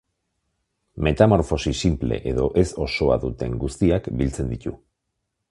Metamorfosi sinple edo ez-osoa duten guztiak biltzen ditu.